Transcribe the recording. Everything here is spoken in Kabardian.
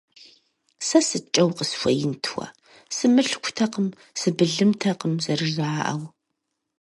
Сэ сыткӀэ укъысхуеинт уэ, сымылъкутэкъым, сыбылымтэкъым, зэрыжаӀэу.